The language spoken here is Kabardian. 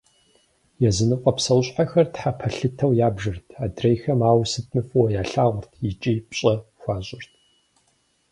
Языныкъуэ псэущхьэхэр тхьэпэлъытэу ябжырт, адрейхэр ауэ сытми фӏыуэ ялъагъурт икӏи пщӏэ хуащӏырт.